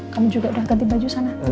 kami juga udah ganti baju sana